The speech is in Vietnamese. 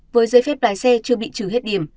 với giấy phép lái xe chưa bị trừ hết điểm